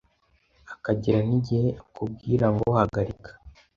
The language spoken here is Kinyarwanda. akagera n’igihe akubwira ngo hagarika